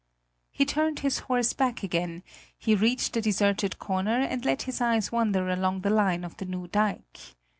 He turned his horse back again; he reached the deserted corner and let his eyes wander along the line of the new dike.